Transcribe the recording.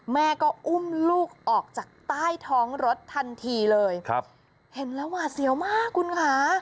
แม่ก็อุ้มลูกออกจากใต้ท้องรถทันทีเลยครับเห็นแล้วหวาดเสียวมากคุณคะ